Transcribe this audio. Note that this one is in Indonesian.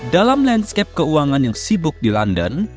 dalam landscape keuangan yang sibuk di london